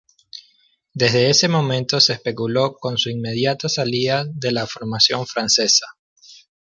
Desde ese momento se especuló con su inmediata salida de la formación francesa.